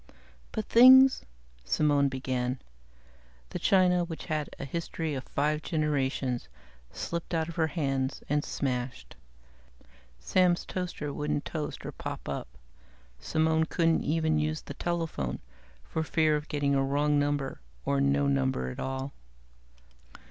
"But things " Simone began. The china which had a history of five generations slipped out of her hands and smashed; Sam's toaster wouldn't toast or pop up; Simone couldn't even use the telephone for fear of getting a wrong number, or no number at all.